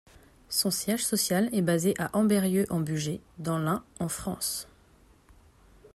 Son siège social est basé à Ambérieu-en-Bugey, dans l'Ain, en France.